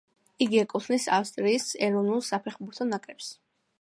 იგი ეკუთვნის ავსტრიის ეროვნულ საფეხბურთო ნაკრებს.